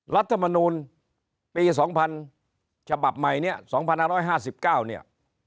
รัฐมนูลปี๒๐๐ฉบับใหม่เนี่ย๒๕๕๙เนี่ย